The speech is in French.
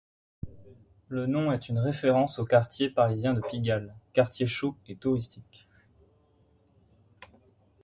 Le nom est une référence au quartier parisien de Pigalle, quartier chaud et touristique.